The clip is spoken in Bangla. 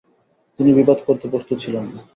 তিনি বিবাদ করতে প্রস্তুত ছিলেন না।